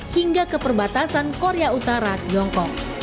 hingga ke perbatasan korea utara tiongkok